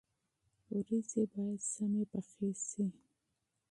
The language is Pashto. ورجې باید ښې پخې شي.